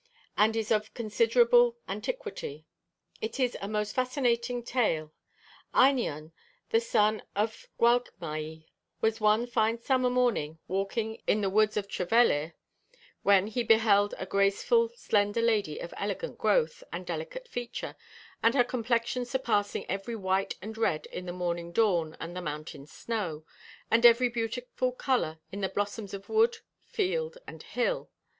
and is of considerable antiquity. It is a most fascinating tale: Einion, the son of Gwalchmai, 'was one fine summer morning walking in the woods of Treveilir,' when 'he beheld a graceful slender lady of elegant growth, and delicate feature, and her complexion surpassing every white and red in the morning dawn and the mountain snow, and every beautiful colour in the blossoms of wood, field, and hill.